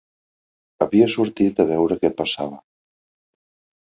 Havia sortit a veure què passava